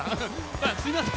すいません